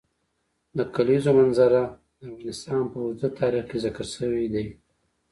د کلیزو منظره د افغانستان په اوږده تاریخ کې ذکر شوی دی.